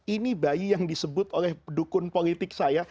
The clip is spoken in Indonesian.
ini bayi yang disebut oleh dukun politik saya